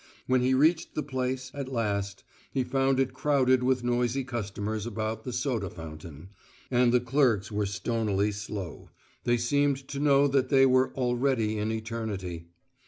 When he reached the place at last, he found it crowded with noisy customers about the "soda fount"; and the clerks were stonily slow: they seemed to know that they were "already in eternity."